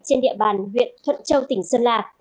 trên địa bàn huyện thuận châu tỉnh sơn là